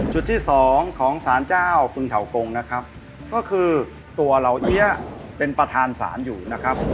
ที่สองของสารเจ้าปึงเถากงนะครับก็คือตัวเหล่าเอี๊ยะเป็นประธานศาลอยู่นะครับ